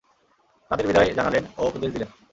তাদের বিদায় জানালেন ও উপদেশ দিলেন।